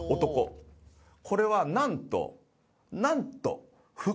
これはなんとなんと。